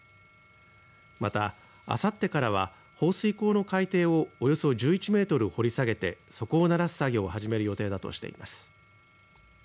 また、あさってからは放水口の海底をおよそ１１メートル掘り下げて底をならす作業を始める予定だとしています。